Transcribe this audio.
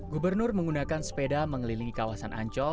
gubernur menggunakan sepeda mengelilingi kawasan ancol